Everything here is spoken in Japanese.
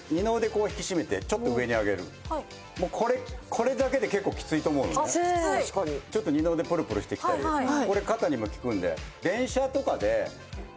こう引き締めてちょっと上に上げるもうこれだけで結構きついと思うのねちょっと二の腕プルプルしてきたりこれ肩にも効くんでえ嘘！